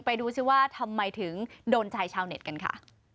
ไปดูซิว่าทำไมถึงโดนใจชาวเน็ตกันค่ะ